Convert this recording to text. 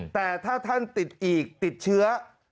แต่ถ้าท่านติดอีกติดเชื้อ